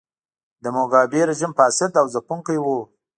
د موګابي رژیم فاسد او ځپونکی و.